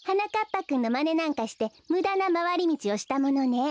ぱくんのまねなんかしてむだなまわりみちをしたものね。